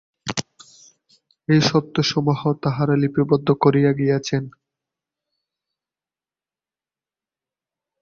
এই সত্যসমূহ তাঁহারা লিপিবদ্ধ করিয়া গিয়াছেন।